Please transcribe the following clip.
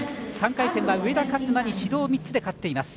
３回戦は上田轄麻に指導３つで勝っています。